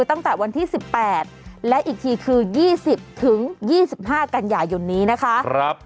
ตั้งแต่วันที่๑๘และอีกทีคือ๒๐๒๕กันยายนนี้นะคะ